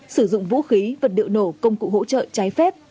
sử dụng vũ khí vật liệu nổ công cụ hỗ trợ trái phép